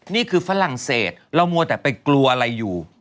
ฝรั่งเศสเรามัวแต่ไปกลัวอะไรอยู่